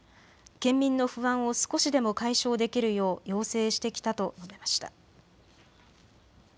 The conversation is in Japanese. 県民の不安を少しでも解消できるよう要請してきたと述べました。